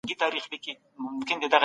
سازمانونه کله د بشري حقونو تړونونه مني؟